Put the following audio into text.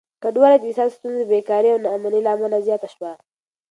کډوالي د اقتصادي ستونزو، بېکاري او ناامني له امله زياته شوه.